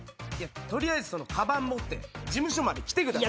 取りあえずそのカバン持って事務所まで来てください。